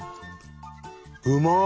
うまい！